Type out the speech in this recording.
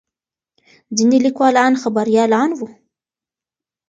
ځینې لیکوالان خبریالان وو.